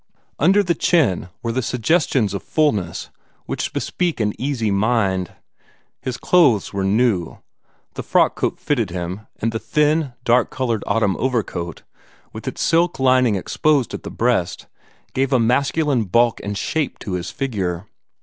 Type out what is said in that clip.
Under the chin were the suggestions of fulness which bespeak an easy mind. His clothes were new; the frock coat fitted him, and the thin, dark colored autumn overcoat, with its silk lining exposed at the breast, gave a masculine bulk and shape to his figure.